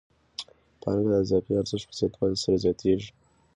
پانګه د اضافي ارزښت په زیاتوالي سره زیاتېږي